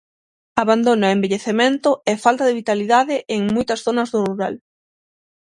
Abandono e envellecemento e falta de vitalidade en moitas zonas do rural.